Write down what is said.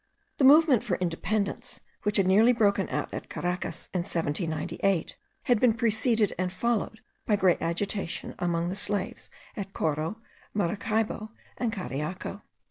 The movement for independence, which had nearly broken out at Caracas in 1798, had been preceded and followed by great agitation among the slaves at Coro, Maracaybo, and Cariaco.